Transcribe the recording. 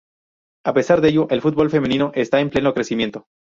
A pesar de ello, el fútbol femenino esta en pleno crecimiento.